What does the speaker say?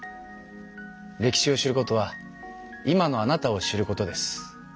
歴史を知ることは今のあなたを知ることです。